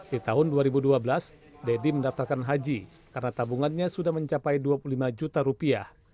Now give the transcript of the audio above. di tahun dua ribu dua belas deddy mendaftarkan haji karena tabungannya sudah mencapai dua puluh lima juta rupiah